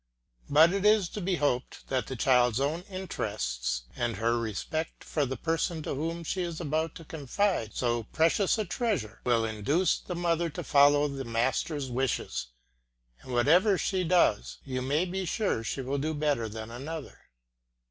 But it is to be hoped that the child's own interests, and her respect for the person to whom she is about to confide so precious a treasure, will induce the mother to follow the master's wishes, and whatever she does you may be sure she will do better than another.